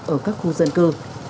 ở các khu dân cư